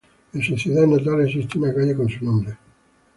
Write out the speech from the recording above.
En su ciudad natal existe una calle con su nombre.